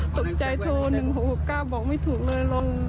ตกใจโทร๑๖๖๙บอกไม่ถูกเลย